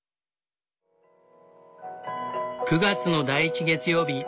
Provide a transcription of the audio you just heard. ９月の第１月曜日